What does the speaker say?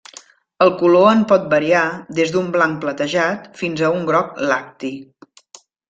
El color en pot variar des d'un blanc platejat fins a un groc lacti.